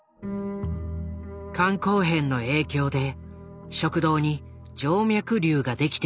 肝硬変の影響で食道に静脈りゅうができていた。